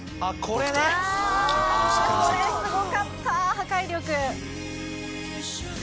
これすごかった破壊力。